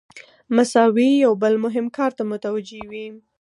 مساوي یو بل مهم کار ته متوجه وي.